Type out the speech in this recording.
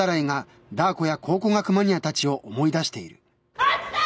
あったー！